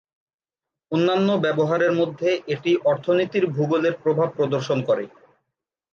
অন্যান্য ব্যবহারের মধ্যে এটি অর্থনীতির ভূগোলের প্রভাব প্রদর্শন করে।